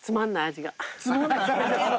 味がつまんない。